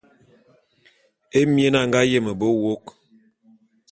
Émien a nga yeme be wôk.